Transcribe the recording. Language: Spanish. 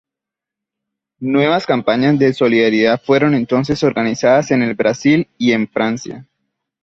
Nuevas campañas de solidaridad fueron entonces organizadas en el Brasil y en Francia.